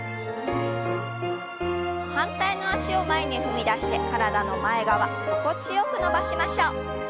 反対の脚を前に踏み出して体の前側心地よく伸ばしましょう。